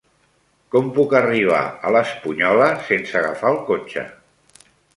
Com puc arribar a l'Espunyola sense agafar el cotxe?